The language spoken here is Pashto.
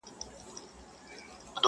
خو په شا یې وړل درانه درانه بارونه!!